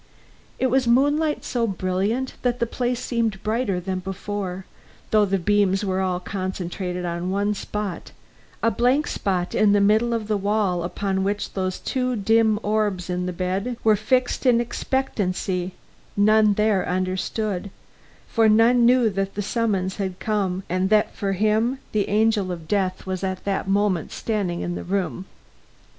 It was moonlight so brilliant that the place seemed brighter than before, though the beams were all concentrated on one spot, a blank space in the middle of the wall upon which those two dim orbs in the bed were fixed in an expectancy none there understood, for none knew that the summons had come, and that for him the angel of death was at that moment standing in the room.